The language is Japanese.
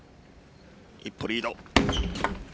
一歩リード。